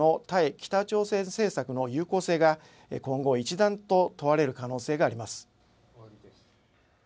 北朝鮮政策の有効性が今後一段と問われる可能性があります。